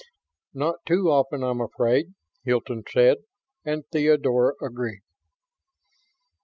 "Not too often, I'm afraid," Hilton said, and Theodora agreed....